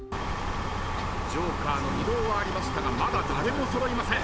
ジョーカーの移動はありましたがまだ誰も揃いません。